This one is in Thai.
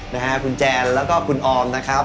นะฮะคุณแจนแล้วก็คุณออมนะครับ